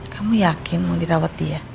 kamu yakin mau dirawat dia